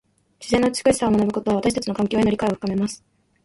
自然の美しさを学ぶことは、私たちの環境への理解を深めます。